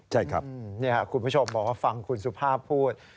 ใช่ครับคุณผู้ชมบอกว่าฟังคุณสุภาพพูด